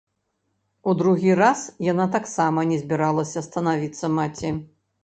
У другі раз яна таксама не збіралася станавіцца маці.